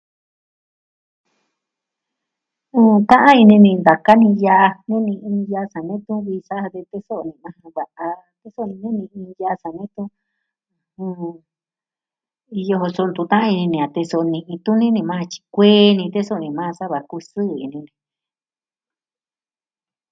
Ta'an ini ni ntaka ni yaa. nee ni iin yaa sa ne tun vii sa'a ja de toso'o ni majan va'a teso'o ni sa nee tun iyo, so ntu ta'an ini a teso'o ni'in tuni ni majan tyi kuee ni teso'o ni majan sava kusɨɨ ini ni.